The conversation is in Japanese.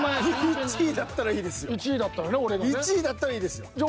１位だったらいいですよ。